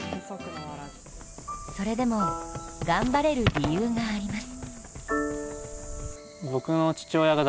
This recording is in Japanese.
それでも頑張れる理由があります。